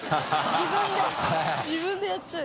自分で自分でやっちゃう。